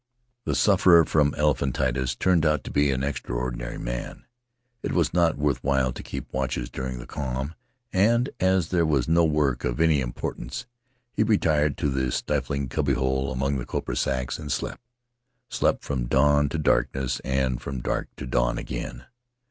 The sufferer from elephantiasis turned out to be an extraordinary man; it was not worth while to keep watches during the calm, and, as there was no work of any importance, he retired to the stifling cubby hole among the copra sacks and slept — slept from dawn to darkness and from dark to dawn again.